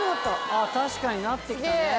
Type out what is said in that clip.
あっ確かになって来たね。